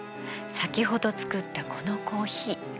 さきほど作ったこのコーヒー。